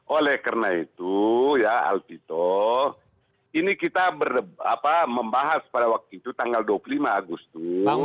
oleh karena itu ya alpito ini kita membahas pada waktu itu tanggal dua puluh lima agustus